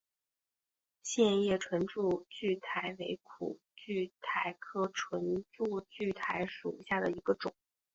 线叶唇柱苣苔为苦苣苔科唇柱苣苔属下的一个种。